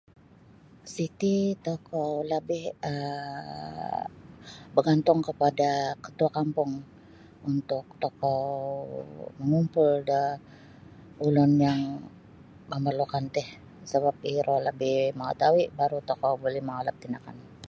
Siti tokou labih um bagantung kapada Katua Kampung untuk tokou mangumpul da ulun yang mamarlu'kan tih sabap iro labih mangatahui' baru' tokou mangalap da tindakan.